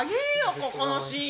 ここのシーン。